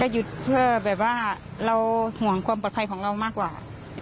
หยุดเพื่อแบบว่าเราห่วงความปลอดภัยของเรามากกว่า